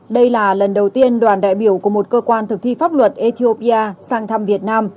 đây là lần đầu tiên đoàn đại biểu của một cơ quan thực thi pháp luật ethiopia sang thăm việt nam